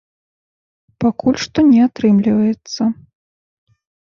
Пакуль што не атрымліваецца.